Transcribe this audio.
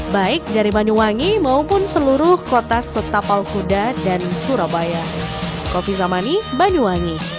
baik dari banyuwangi maupun seluruh kota setapal kuda dan surabaya